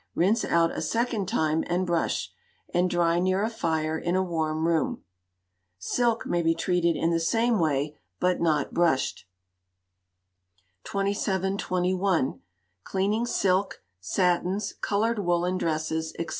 Rinse out a second time, and brush, and dry near a fire in a warm room. Silk may be treated in the same way, but not brushed. 2721. Cleaning Silk, Satins, Coloured Woollen Dresses, &c.